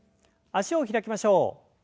脚を開きましょう。